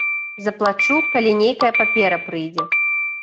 Заплачу, калі нейкая папера прыйдзе.